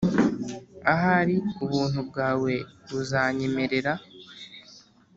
ahari ubuntu bwawe buzanyemerera